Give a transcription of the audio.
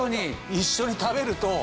一緒に食べると。